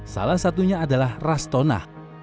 salah satunya adalah rastona